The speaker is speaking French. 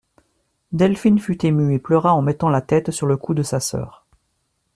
Delphine fut émue et pleura en mettant la tête sur le cou de sa sœur.